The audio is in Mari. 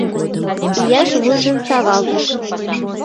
— Ийаш вуйжым савалтыш.